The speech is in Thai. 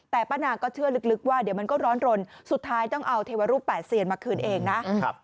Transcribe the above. แต่ป้านาก็เชื่อลึกว่าเดี๋ยวมันก็ร้อนรนสุดท้ายต้องเอาเทวรูป๘เซียนมาคืนเองนะ